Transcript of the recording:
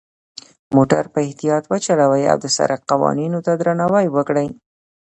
موټر په اختیاط وچلوئ، او د سرک قوانینو ته درناوی وکړئ.